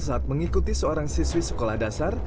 saat mengikuti seorang siswi sekolah dasar